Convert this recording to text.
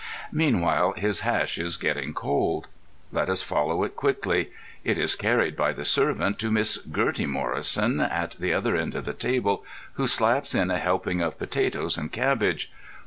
Meanwhile his hash is getting cold. Let us follow it quickly. It is carried by the servant to Miss Gertie Morrison at the other end of the table, who slaps in a helping of potatoes and cabbage.